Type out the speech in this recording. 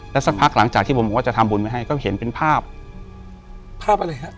สักพักหลังจากที่ผมบอกว่าจะทำบุญไว้ให้ก็เห็นเป็นภาพภาพอะไรฮะ